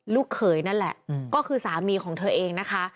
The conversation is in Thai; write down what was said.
ลูกเขยนั่นแหละก็คือสามีของเธอเองนะคะ